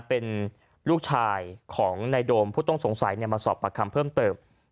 เป็นลูกชายของนายโดมผู้ต้องสงสัยมาสอบประคำเพิ่มเติม